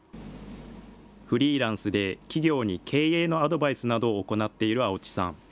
フリーランスで企業に経営のアドバイスなどを行っている青地さん。